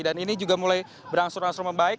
dan ini juga mulai berangsur angsur membaik